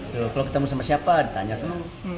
kalau ketemu sama siapa ditanya kan